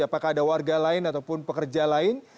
apakah ada warga lain ataupun pekerja lain